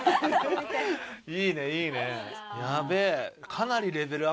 いいねいいね。